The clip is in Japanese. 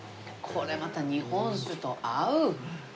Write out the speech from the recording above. これまた日本酒と合う。